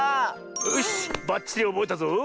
よしばっちりおぼえたぞ！